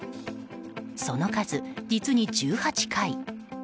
その数、実に１８回。